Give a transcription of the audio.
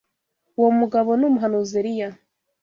Uwo mugabo ni umuhanuzi Eliya